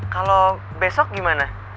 kalau besok gimana